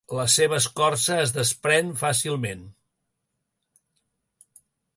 La seva escorça es desprèn fàcilment.